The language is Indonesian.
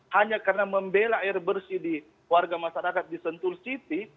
hanya karena membela air bersih di warga masyarakat di sentul city